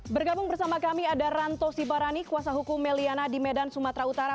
bergabung bersama kami ada ranto sibarani kuasa hukum meliana di medan sumatera utara